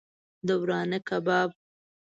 د ورانه کباب